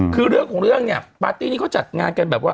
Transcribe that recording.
คือเรื่องของเรื่องเนี่ยปาร์ตี้นี้เขาจัดงานกันแบบว่า